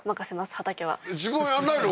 畑は自分はやんないの？